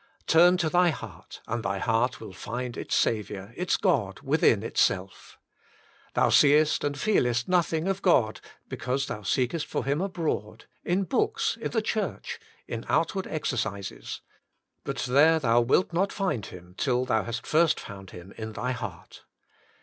Turn to thy heart, and thy heart will find its Saviour, its God, within itself. Thou seest and feelest nothing of God, because thou seekest for Him abroad, in books, in the church, in outward 120 The Inner Chamber exercises; but there thou wilt not find Him till thou hast first found Him in thy heart.